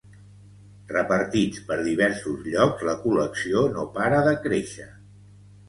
Repartits per diversos llocs la col·lecció no para de créixer